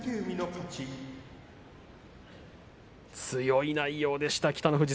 強い内容でしたね